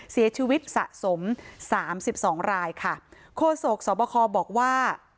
เสียชีวิตสะสม๓๒รายค่ะโคโสกสวบคบอกว่า